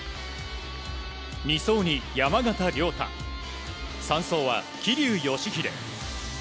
２走に山縣亮太３走は桐生祥秀。